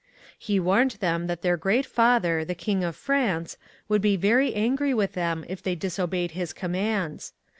He warned them that their Great Father, the king of France, would be very angry with them if they disobeyed his commands.